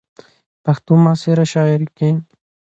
،پښتو معاصره شاعرۍ کې